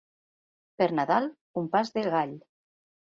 Per Nadal, un pas de gall.